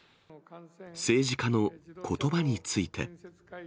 政治家のことばについて。